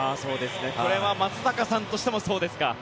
これは松坂さんとしてもそうですか。